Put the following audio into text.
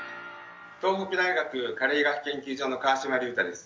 東北大学加齢医学研究所の川島隆太です。